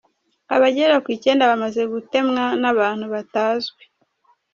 Abagera ku Icyenda bamaze gutemwa n’abantu batazwi